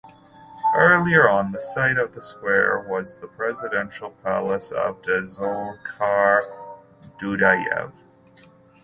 Earlier on the site of the square was the Presidential Palace of Dzhokhar Dudayev.